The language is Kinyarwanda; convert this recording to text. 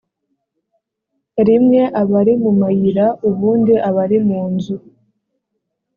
rimwe aba ari mu mayira ubundi aba ari munzu